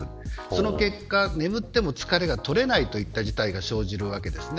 その結果、眠っても疲れが取れないといった事態が生じるわけです。